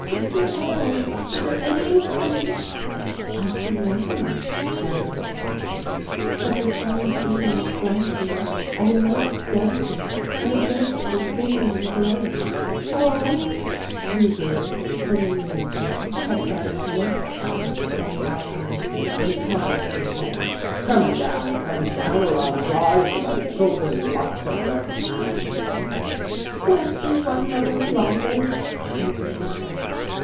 sister Anne! is there any one coming ?'' I see nothing,' answered her sister, ' but the sun's beams glancing, and the motes dancing, and the grass is green and growing, oh 1 * Blue beard in the meanwhile had got a great cutlass from the armoury, and he called to his wife :' Come down, come down, or I '11 draw you by the golden locks of your crown.' 'Grant me one moment longer!' answered his wife.